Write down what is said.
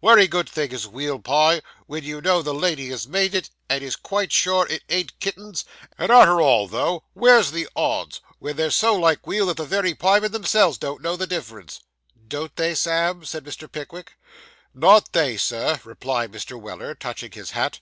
'Wery good thing is weal pie, when you know the lady as made it, and is quite sure it ain't kittens; and arter all though, where's the odds, when they're so like weal that the wery piemen themselves don't know the difference?' 'Don't they, Sam?' said Mr. Pickwick. 'Not they, sir,' replied Mr. Weller, touching his hat.